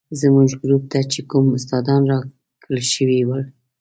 زموږ ګروپ ته چې کوم استادان راکړل شوي ول.